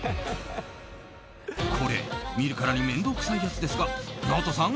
これ、見るからに面倒くさいやつですがＮＡＯＴＯさん